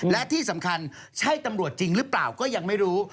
และที่สำคัญใช่ตำรวจจริงหรือเปล่าก็ยังไม่รู้